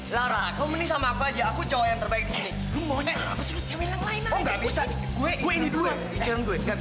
terima kasih susie